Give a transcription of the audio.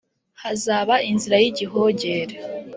hazaba inzira y’igihogere.